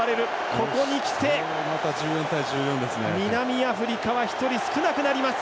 ここにきて、南アフリカは１人少なくなります。